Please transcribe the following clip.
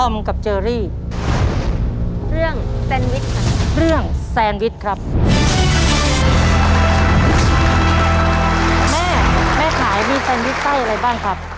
แม่ขายมีแซนวิชไส้อะไรบ้างครับ